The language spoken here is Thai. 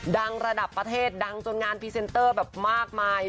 ระดับประเทศดังจนงานพรีเซนเตอร์แบบมากมาย